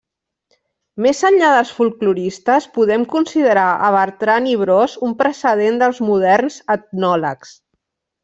Més enllà dels folkloristes, podem considerar a Bertran i Bros un precedent dels moderns etnòlegs.